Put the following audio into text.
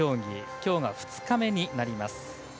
今日が２日目になります。